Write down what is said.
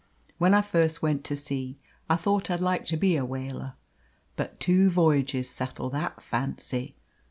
When I first went to sea I thought I'd like to be a whaler; but two voyages settled that fancy.